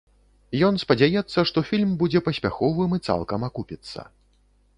Ён спадзяецца, што фільм будзе паспяховым і цалкам акупіцца.